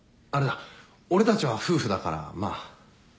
俺たちは夫婦だからまあ。